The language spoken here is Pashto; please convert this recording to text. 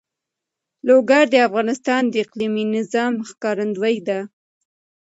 لوگر د افغانستان د اقلیمي نظام ښکارندوی ده.